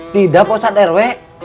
tidak pak ustadz rw